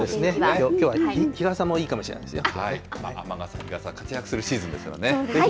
きょうは日傘もいいかもしれ雨傘、日傘、活躍するシーズンですよね。